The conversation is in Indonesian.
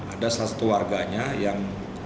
ada satu warganya yang